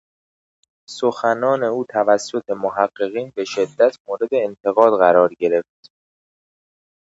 سخنان او توسط محققین به شدت مورد انتقاد قرار گرفت